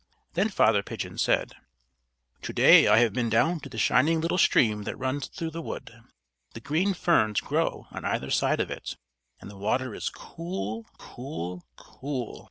Then Father Pigeon said: "To day I have been down to the shining little stream that runs through the wood. The green ferns grow on either side of it, and the water is cool, cool, cool!